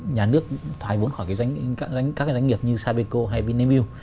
nhà nước thoái vốn khỏi các doanh nghiệp như sapeco hay vinamilk